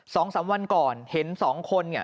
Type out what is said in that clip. สองสามวันก่อนเห็นสองคน